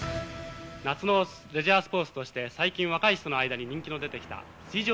夏のレジャースポーツとして最近、若い人の間に人気が出てきた水上